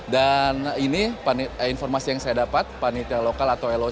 dan ini informasi yang saya dapat panitia lokal atau loc